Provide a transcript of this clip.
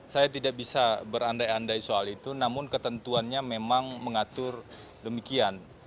saya tidak bisa berandai andai soal itu namun ketentuannya memang mengatur demikian